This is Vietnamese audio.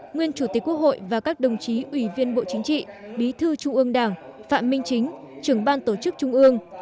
nguyên chủ tịch quốc hội và các đồng chí ủy viên bộ chính trị bí thư trung ương đảng phạm minh chính trưởng ban tổ chức trung ương